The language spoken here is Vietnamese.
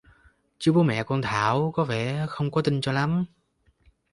Chứ bố mẹ con Thảo có vẻ không có tin cho lắm